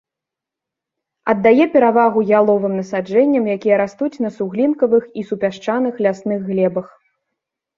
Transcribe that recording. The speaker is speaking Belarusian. Аддае перавагу яловым насаджэнням, якія растуць на суглінкавых і супясчаных лясных глебах.